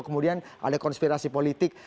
kemudian ada konspirasi politik